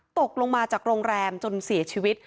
ตกลงมาจากโรงแรมจนเสียชีวิต